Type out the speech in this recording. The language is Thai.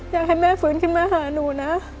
อยากให้แม่ฟื้นขึ้นมาหาหนูนะ